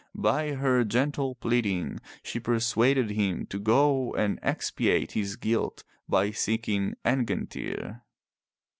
By her gentle pleading she persuaded him to go and expiate his guilt by seeking Angantyr.